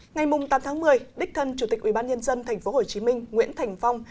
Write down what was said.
ngày tám tháng một mươi đích thân chủ tịch ubnd tp hcm nguyễn thành phong